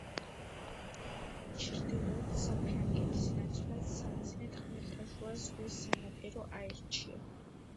ჩრდილოეთ საფრანგეთის ნაცვლად სამიზნედ ხმელთაშუა ზღვის სანაპირო აირჩა.